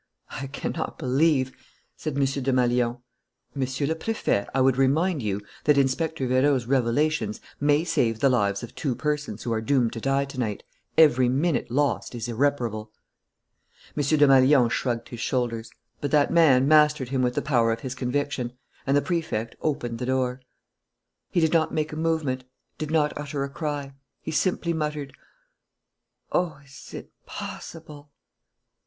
"I cannot believe " said M. Desmalions. "Monsieur le Préfet, I would remind you that Inspector Vérot's revelations may save the lives of two persons who are doomed to die to night. Every minute lost is irreparable." M. Desmalions shrugged his shoulders. But that man mastered him with the power of his conviction; and the Prefect opened the door. He did not make a movement, did not utter a cry. He simply muttered: "Oh, is it possible!